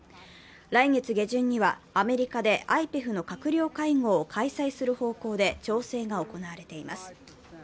来月下旬にはアメリカでＩＰＥＦの閣僚会合を開催する方向で調整が行われています。